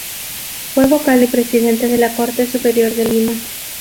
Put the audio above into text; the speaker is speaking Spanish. Fue vocal y presidente de la Corte Superior de Lima.